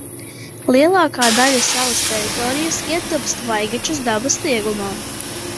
Lielākā daļa salas teritorijas ietilpst Vaigačas dabas liegumā.